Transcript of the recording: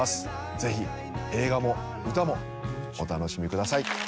ぜひ映画も歌もお楽しみください